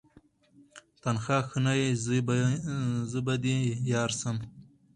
تنها ښه نه یې زه به دي یارسم